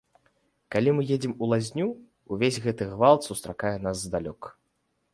Калі мы едзем у лазню, увесь гэты гвалт сустракае нас здалёк.